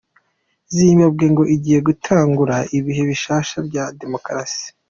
Zimbabwe ngo igiye gutangura ibihe bishasha vya Demokarasi.